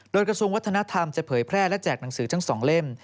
โดยกระทรวงวัฒนธรรมจะเผยแพร่และแจกหนังสือทั้ง๒เล่ม